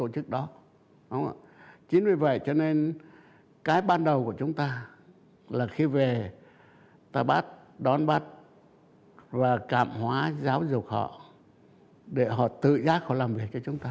chính vì vậy cho nên cái ban đầu của chúng ta là khi về ta bắt đón bắt và cảm hóa giáo dục họ để họ tự giác họ làm việc cho chúng ta